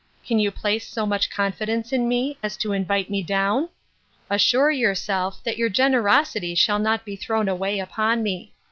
Can you place so much confidence in me, as to invite me down? Assure yourself, that your generosity shall not be thrown away upon me.